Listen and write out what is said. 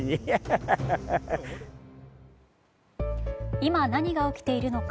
今、何が起きているのか。